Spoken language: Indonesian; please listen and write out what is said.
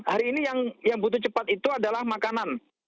hari ini yang butuh cepat itu adalah makanan